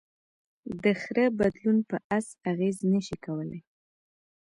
د خره بدلون په آس اغېز نهشي کولی.